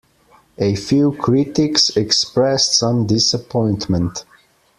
A few critics expressed some disappointment.